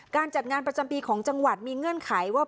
การจัดงานประจำปีของจังหวัดมีเงื่อนไขว่า